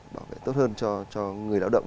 bảo vệ tốt hơn cho người lao động